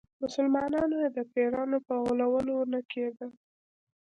مسلمانانو یې د پیرانو په غولولو نه کېدل.